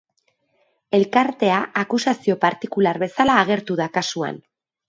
Elkartea akusazio partikular bezala agertu da kasuan.